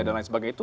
dan lain sebagainya